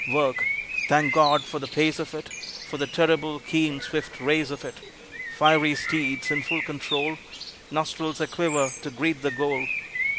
Work! Thank God for the pace of it, For the terrible, keen, swift race of it; Fiery steeds in full control, Nostrils a quiver to greet the goal.